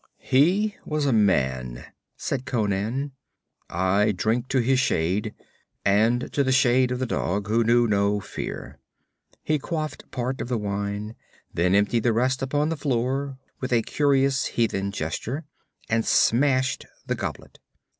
'He was a man,' said Conan. 'I drink to his shade, and to the shade of the dog, who knew no fear.' He quaffed part of the wine, then emptied the rest upon the floor, with a curious heathen gesture, and smashed the goblet.